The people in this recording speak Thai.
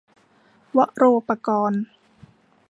วโรปกรณ์